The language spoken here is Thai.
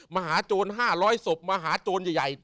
มหาโจร๕๐๐ศพมาหาโจรใหญ่